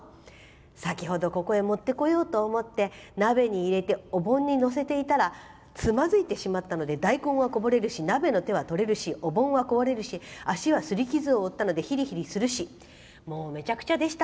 先ほどここへ持ってこようと思って鍋に入れてお盆にのせていたらつまずいてしまったので大根はこぼれるし鍋の手は取れるしお盆は壊れるし足はすり傷を負ったのでひりひりするしもう、めちゃくちゃでした。